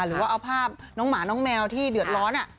หรือว่าเอาภาพน้องหมาน้องแมวที่เดือดร้อน